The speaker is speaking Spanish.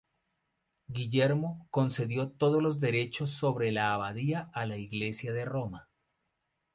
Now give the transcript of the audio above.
Guillermo concedió todos los derechos sobre la abadía a la iglesia de Roma.